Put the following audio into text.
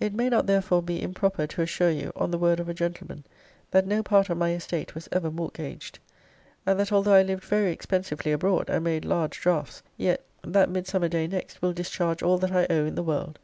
It may not therefore be improper to assure you, on the word of a gentleman, that no part of my estate was ever mortgaged: and that although I lived very expensively abroad, and made large draughts, yet that Midsummer day next will discharge all that I owe in the world.